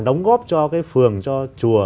đóng góp cho cái phường cho chùa